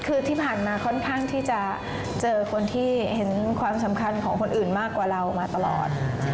คือที่ผ่านมาค่อนข้างที่จะเจอคนที่เห็นความสำคัญของคนอื่นมากกว่าเรามาตลอด